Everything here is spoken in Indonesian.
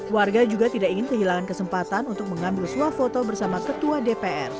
warga juga tidak ingin kehilangan kesempatan untuk mengambil suap foto bersama ketua dpr